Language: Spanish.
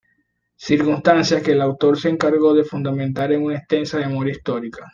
Circunstancias que el autor se encargó de fundamentar en una extensa memoria histórica.